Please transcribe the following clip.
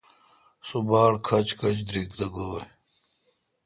سو باڑکھچ کھچ دریگ تہ گوی۔